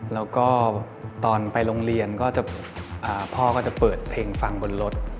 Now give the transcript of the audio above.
แล้วก็ตอนไปโรงเรียนก็จะพ่อก็จะเปิดเพลงฟังบนรถ